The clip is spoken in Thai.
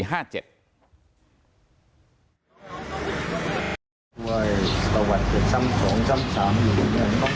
รถนอนแล้วก็โยนทิ้งหน้าต่าง